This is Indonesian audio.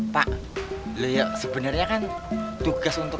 pak sebenarnya kan tugas untuk